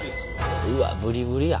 うわっブリブリや。